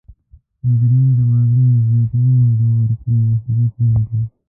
مدیران د مالي زیانونو د ورکړې مسولیت نه لري.